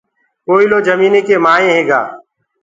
ڪوئلو جميٚنيٚ ڪي مآئينٚ هيگآ